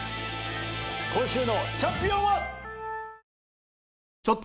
今週のチャンピオンは？